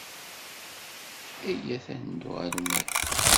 Iyyat ad neddu ɣer umahil.